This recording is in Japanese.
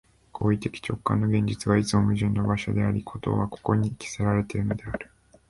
行為的直観の現実が、いつも矛盾の場所であり、事はここに決せられるのである。